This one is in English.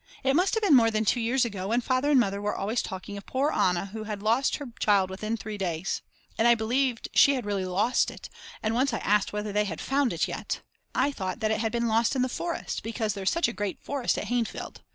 It must have been more than 2 years ago when Father and Mother were always talking of poor Anna who had lost her child within 3 days. And I believed she had really lost it, and once I asked whether they had found it yet. I thought it had been lost in the forest, because there's such a great forest at Hainfeld.